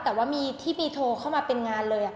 แต่ว่ามีที่มีโทรเข้ามาเป็นงานเลย